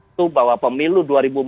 itu bahwa pemilu dua ribu empat belas